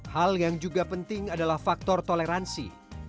hal yang juga penting adalah faktor toleransi